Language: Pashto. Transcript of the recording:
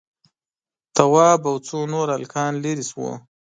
تواب او څو نور هلکان ليرې شول.